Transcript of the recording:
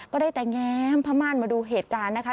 ก็ได้แต่แง้มผ้าม่านมาดูเหตุการณ์นะคะ